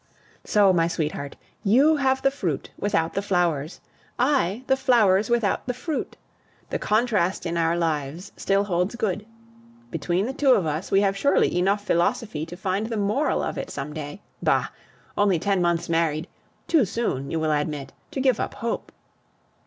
So, my sweetheart, you have the fruit without the flowers; I the flowers without the fruit. The contrast in our lives still holds good. Between the two of us we have surely enough philosophy to find the moral of it some day. Bah! only ten months married! Too soon, you will admit, to give up hope.